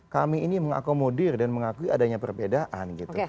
kami ini mengakomodir dan mengakui adanya perbedaan gitu